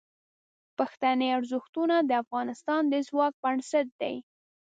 پښتني ارزښتونه د افغانستان د ځواک بنسټ دي.